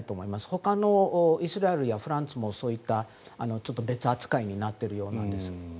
ほかのイスラエルやフランスもそういった別扱いになっているようなんです。